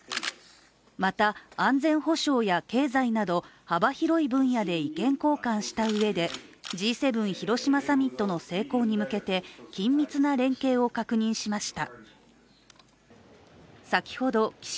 また安全保障や経済など幅広い分野で意見交換したうえで、Ｇ７広島サミットの成功に向けて緊密な連携を確認しました。